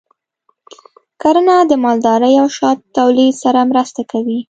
کرنه د مالدارۍ او شاتو تولید سره مرسته کوي.